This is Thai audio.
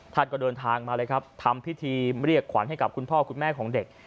ท่านก็เดินทางมาเลยครับทำพิธีเรียกขวัญให้กับคุณพ่อคุณแม่ของเด็ก